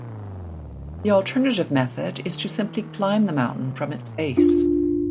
The alternative method is to simply climb the mountain from its base.